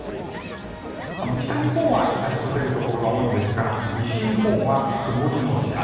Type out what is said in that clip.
北日本は日差しの出るところが多いんですが西日本は曇りのち雨。